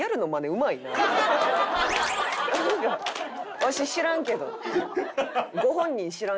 わし知らんけど。